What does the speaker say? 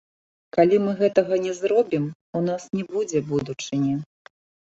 Калі мы гэтага не зробім, у нас не будзе будучыні.